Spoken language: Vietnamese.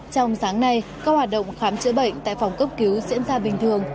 trong sáng nay các hoạt động khám chữa bệnh tại phòng cấp cứu diễn ra bình thường